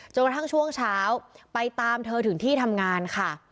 กระทั่งช่วงเช้าไปตามเธอถึงที่ทำงานค่ะ